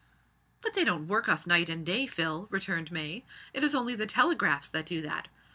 "But they don't work us night and day, Phil," returned May, "it is only the telegraphs that do that.